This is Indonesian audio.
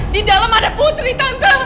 di dalam ada putri tantangan